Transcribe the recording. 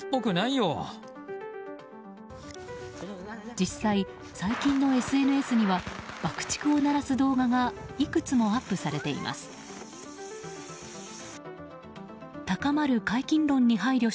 実際、最近のＳＮＳには爆竹を鳴らす動画がいくつもアップされています。